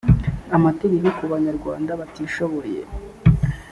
amategeko ku banyarwanda batishoboye